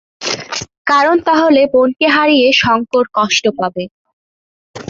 কারণ তাহলে বোনকে হারিয়ে "শঙ্কর" কষ্ট পাবে।